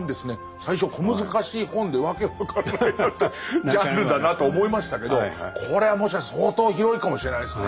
最初小難しい本で訳分からないジャンルだなと思いましたけどこれはもしかしたら相当広いかもしれないですね。